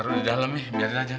taruh di dalam nih biarin aja